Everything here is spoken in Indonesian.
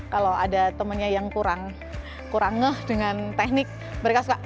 kalau ada temennya yang kurang ngeh dengan teknik mereka suka